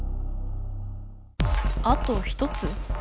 あと１つ？